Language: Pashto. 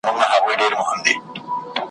درد مي درته وسپړم څوک خو به څه نه وايي ,